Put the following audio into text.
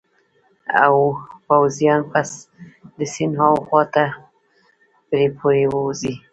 او پوځیان به د سیند هاخوا ته پرې پورې ووزي.